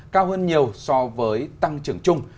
cao hơn nhiều so với tăng trưởng chung